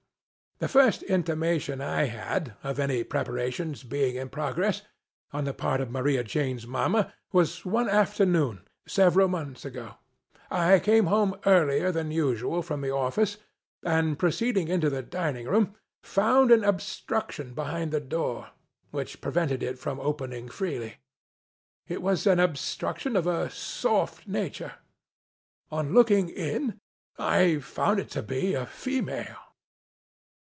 The first intimation I had, of any prepara tions being in progress, on the part of Maria Jane's Mama, was one afternoon, several months ago. I came home earlier than usual from the office, and, proceeding into the dining room, found an obstruction behind the door, which prevented it from opening freely. It was an obstruction of a soft nature. On looking in, I found it to be a female.